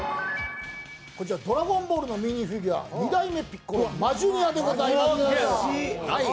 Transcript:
「ドラゴンボール」のミニフィギュア、２代目ピッコロ「マジュニア」でございます。